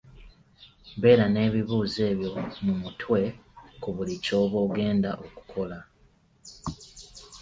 Beera n'ebibuuzo ebyo mu mutwe ku buli ky'oba ogenda okukola.